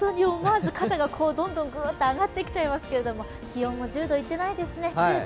思わず肩がどんどん上がってきちゃいますけれども気温も１０度いってないですね